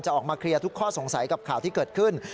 ออกมาเคลียร์ทุกข้อสงสัยกับข่าวที่เกิดขึ้น